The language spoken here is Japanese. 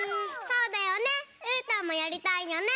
そうだよねうーたんもやりたいよね。